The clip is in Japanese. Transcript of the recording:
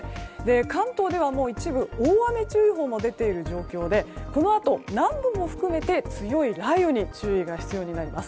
関東では一部大雨注意報も出ている状況でこのあと、南部も含めて強い雷雨に注意が必要になります。